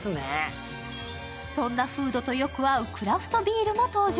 そんなフードとよく合うクラフトビールも登場。